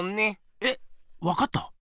えっわかった？